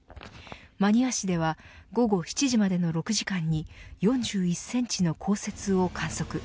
真庭市では午後７時までの６時間に４１センチの降雪を観測。